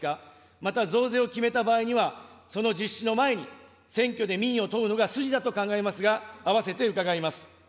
また、増税を決めた場合には、その実施の前に、選挙で民意を問うのが筋だと考えますが、併せて伺います。